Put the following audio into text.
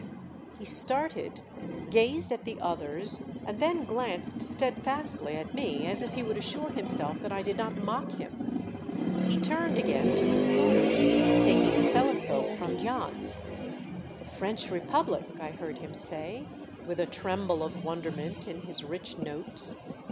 He started, gazed at the others, and then glanced steadfastly at me as if he would assure himself that I did not mock him. He turned again to the schooner, taking the telescope from Jans. ''The French Republic!" I heard him say, with a tremble of wonderment in his rich notes.